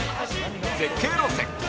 絶景路線